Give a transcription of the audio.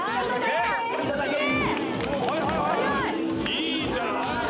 いいんじゃない？